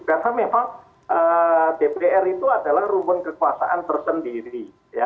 karena memang tpr itu adalah rumpun kekuasaan tersendiri